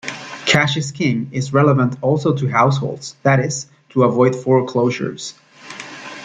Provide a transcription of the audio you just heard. "Cash is king" is relevant also to households, that is, to avoid foreclosures.